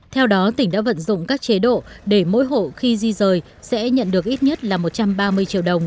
theo đó tỉnh đã vận dụng các chế độ để mỗi hộ khi di rời sẽ nhận được ít nhất là một trăm ba mươi triệu đồng